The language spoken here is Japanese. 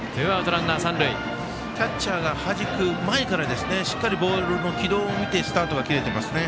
キャッチャーがはじく前からしっかりボールの軌道を見てスタートが切れていますね。